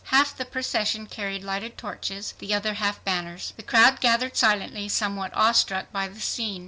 Half the procession carried lighted torches; the other half banners. The crowd gathered silently, somewhat awe struck by the scene.